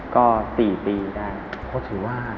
ก็๔ปีได้